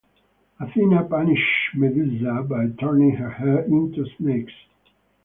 Athena punished Medusa by turning her hair into snakes.